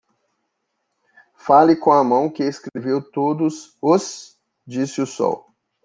"Fale com a mão que escreveu todos os?" disse o sol.